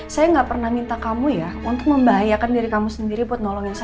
saya nggak pernah minta kamu ya untuk membahayakan diri kamu sendiri buat nolongin saya